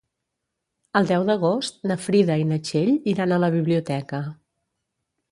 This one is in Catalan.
El deu d'agost na Frida i na Txell iran a la biblioteca.